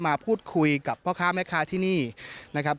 มาพูดคุยกับพ่อค้าแม่ค้าที่นี่นะครับ